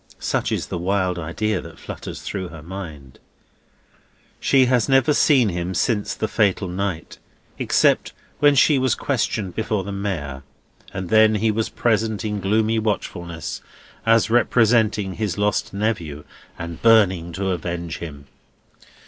Such is the wild idea that flutters through her mind. She has never seen him since the fatal night, except when she was questioned before the Mayor, and then he was present in gloomy watchfulness, as representing his lost nephew and burning to avenge him.